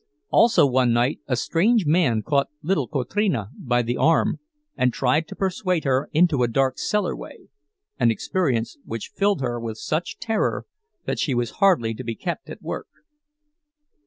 Also one night a strange man caught little Kotrina by the arm and tried to persuade her into a dark cellar way, an experience which filled her with such terror that she was hardly to be kept at work.